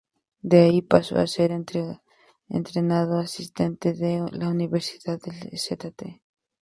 De ahí pasó a ser entrenador asistente de la Universidad de St.